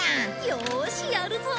よしやるぞ！